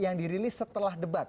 yang dirilis setelah debat